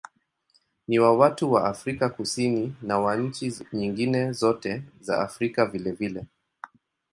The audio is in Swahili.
Ni wa watu wa Afrika Kusini na wa nchi nyingine zote za Afrika vilevile.